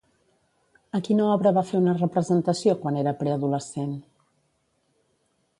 A quina obra va fer una representació quan era preadolescent?